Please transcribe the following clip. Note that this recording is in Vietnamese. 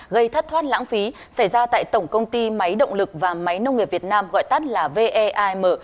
gây thất thoát lãng phí xảy ra tại tổng công ty máy động lực và máy nông nghiệp việt nam gọi tắt là veim